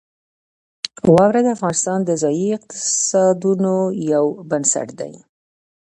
واوره د افغانستان د ځایي اقتصادونو یو بنسټ دی.